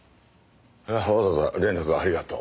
わざわざ連絡ありがとう。